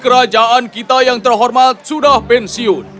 kerajaan kita yang terhormat sudah pensiun